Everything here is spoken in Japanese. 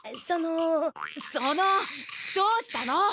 そのどうしたの？